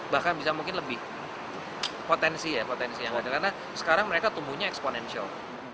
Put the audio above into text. bahkan bisa mungkin lebih potensi ya potensi yang ada karena sekarang mereka tumbuhnya eksponensial